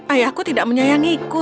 ayahku tidak menyayangiiku